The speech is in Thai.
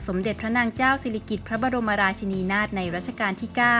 เด็จพระนางเจ้าศิริกิจพระบรมราชินีนาฏในรัชกาลที่๙